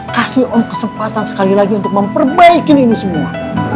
kasih om kesempatan sekali lagi untuk memperbaikin ini semua